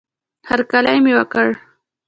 هرکلی مې وکړه